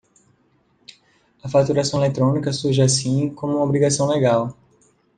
A faturação eletrónica surge, assim, como uma obrigação legal.